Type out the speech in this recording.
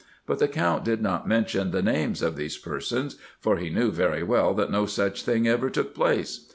But the Count did not mention the names of those persons, for he knew very well that no such thing ever took place.